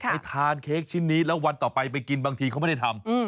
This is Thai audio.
ไปทานเค้กชิ้นนี้แล้ววันต่อไปไปกินบางทีเขาไม่ได้ทำ